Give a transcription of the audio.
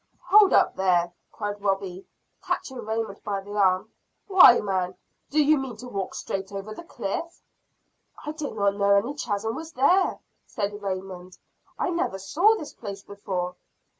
"Hold up there!" cried Robie, catching Raymond by the arm "why, man, do you mean to walk straight over the cliff?" "I did not know any chasm was there," said Raymond. "I never saw this place before.